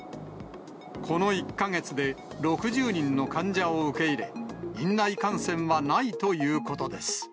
この１か月で６０人の患者を受け入れ、院内感染はないということです。